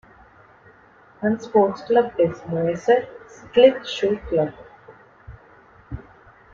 One sports club is Neusser Schlittschuh-Klub.